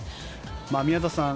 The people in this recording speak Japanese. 宮里さん